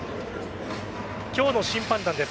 今日の審判団です。